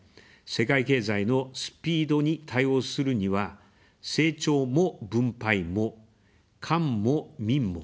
世界経済のスピードに対応するには「成長も分配も」「官も民も」